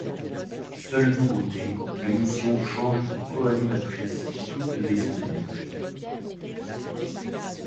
Seule nouveauté, l'émission change de coanimatrice toutes les semaines.